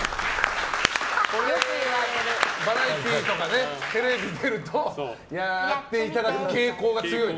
バラエティーやテレビに出るとやっていただく傾向が強いね。